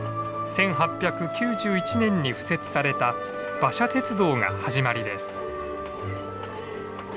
１８９１年に敷設された馬車鉄道が始まりです。